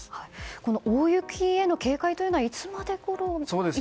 この大雪への警戒というのはいつまででしょうか。